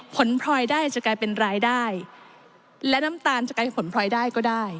ผลพลอยได้จะกลายเป็นรายได้และน้ำตาลจะไกลผลพลอยได้ก็ได้